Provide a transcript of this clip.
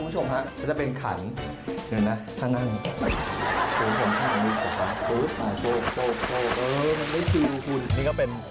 ใช้จอกตรงกลาง